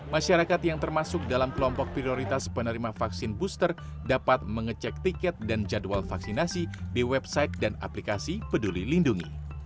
masyarakat yang termasuk dalam kelompok prioritas penerima vaksin booster dapat mengecek tiket dan jadwal vaksinasi di website dan aplikasi peduli lindungi